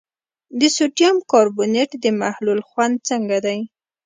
د سوډیم کاربونیټ د محلول خوند څنګه دی؟